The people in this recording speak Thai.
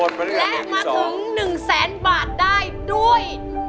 และมาถึง๑แสนบาทได้ด้วย